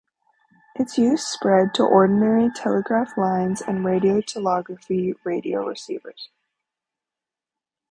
Its use spread to ordinary telegraph lines and radiotelegraphy radio receivers.